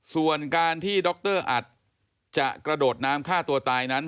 ส่วนการที่ดรอัดจะกระโดดน้ำฆ่าตัวตายนั้น